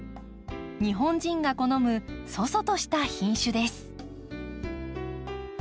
日本人が好む楚々とした品種です。